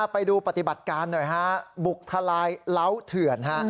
ไปดูปฏิบัติการหน่อยฮะบุกทลายเล้าเถื่อนฮะ